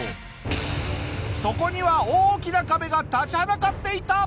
そこには大きな壁が立ちはだかっていた！